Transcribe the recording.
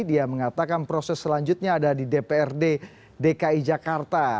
dia mengatakan proses selanjutnya ada di dprd dki jakarta